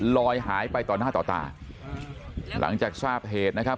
ลอยหายไปต่อหน้าต่อตาหลังจากทราบเหตุนะครับ